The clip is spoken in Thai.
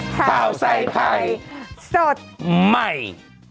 ข้าวไส้ไผ่สดใหม่